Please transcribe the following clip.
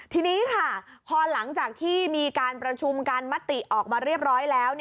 ทีนี้ค่ะพอหลังจากที่มีการประชุมกันมติออกมาเรียบร้อยแล้ว